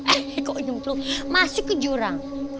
akhirnya kok nyemplung masuk ke jurang